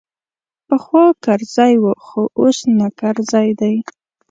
پخوا کرزی وو خو اوس نه کرزی دی.